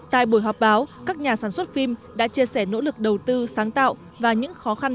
tại buổi họp báo các nhà sản xuất phim đã chia sẻ nỗ lực đầu tư sáng tạo và những khó khăn